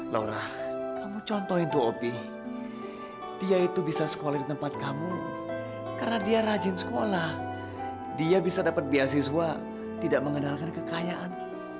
laura kamu contohin untuk opi dia itu bisa sekolah di tempat kamu karena dia rajin sekolah dia bisa dapat beasiswa tidak mengenalkan kekayaan